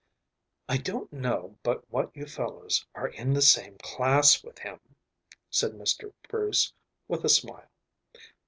"I don't know but what you fellows are in the same class with him," said Mr. Bruce, with a smile.